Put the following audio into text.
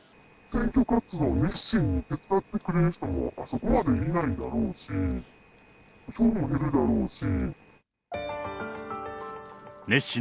選挙活動を熱心に手伝ってくれる人もそこまでいないだろうし、票も減るだろうし。